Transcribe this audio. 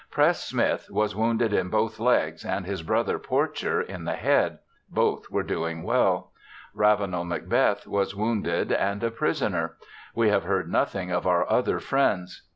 Press Smith was wounded in both legs, and his brother Porcher in the head; both were doing well; Ravenel Macbeth was wounded and a prisoner. We have heard nothing of our other friends.